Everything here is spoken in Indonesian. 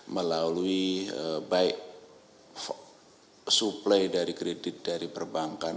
melalui baik suplai dari kredit dari perbankan